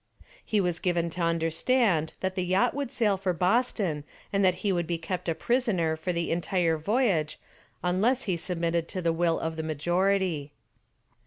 He was given to understand that the yacht would sail for Boston and that he would be kept a prisoner for the entire voyage unless he submitted to the will of the majority.